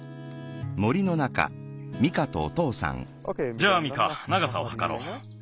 じゃあミカながさをはかろう。